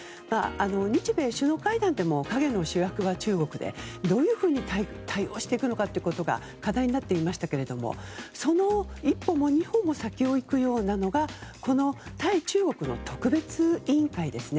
日米首脳会談でも陰の主役は中国でどういうふうに対応していくのかということが課題になっていましたがその一歩も二歩も先を行くようなのがこの対中国の特別委員会ですね。